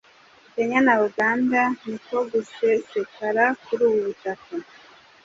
Kenya na Uganda, niko gusesekara kuri ubu butaka